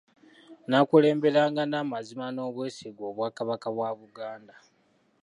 Naakulemberanga n’amazima, n’obwesigwa Obwakabaka bwa Buganda.